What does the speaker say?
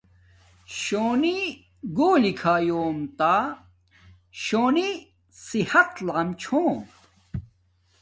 شونی گھولی کھایُوم تا شونی صحت لام چھوم